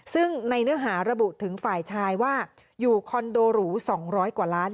ซึ่งในเนื้อหาระบุถึงฝ่ายชายว่าอยู่คอนโดหรู๒๐๐กว่าล้าน